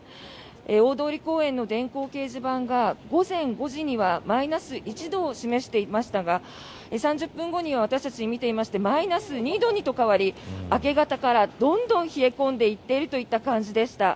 大通公園の電光掲示板が午前５時にはマイナス１度を示していましたが３０分後には私たち、見ていましてマイナス２度へと変わり明け方からどんどん冷え込んでいっているという感じでした。